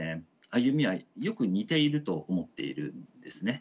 歩みはよく似ていると思っているんですね。